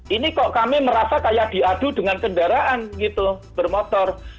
ini kok kami merasa kayak diadu dengan kendaraan gitu bermotor